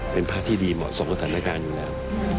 เป็นภาคที่ดีเหมาะสมกับศาลนการอยู่แล้ว